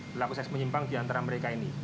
pelaku seks menyimpang di antara mereka ini